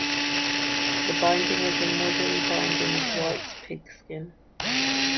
The binding is a modern binding of white pigskin.